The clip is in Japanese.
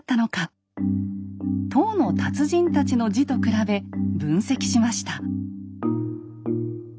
唐の達人たちの字と比べ分析しました。